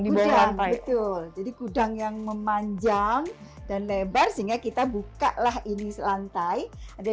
dibawah lantai betul jadi gudang yang memanjang dan lebar sehingga kita buka lah ini lantai ada